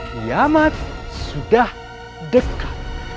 kiamat sudah dekat